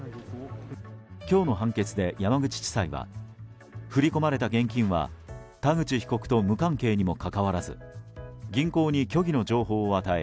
今日の判決で山口地裁は振り込まれた現金は田口被告と無関係にもかかわらず銀行に虚偽の情報を与え